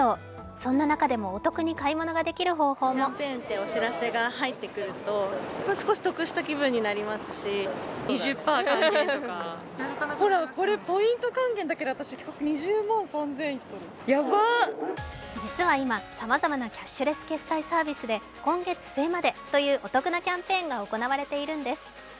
そんな中でも、お得に買い物ができる方法も実は今、さまざまなキャッシュレス決済サービスで今月末までというお得なキャンペーンが行われているんです。